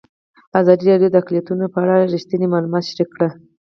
ازادي راډیو د اقلیتونه په اړه رښتیني معلومات شریک کړي.